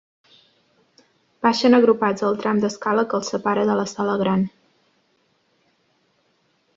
Baixen agrupats el tram d'escala que els separa de la sala gran.